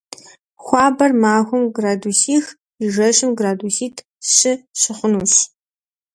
Хуабэр махуэм градусих – и, жэщым градуситӏ - щы щыхъунущ.